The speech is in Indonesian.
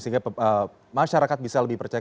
sehingga masyarakat bisa lebih percaya